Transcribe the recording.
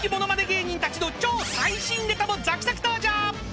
芸人たちの超最新ネタも続々登場！］